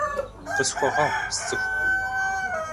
Къысхуэгъуэгъу, сцӏыхукъым.